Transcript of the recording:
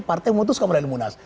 partai memutuskan mulai dari munas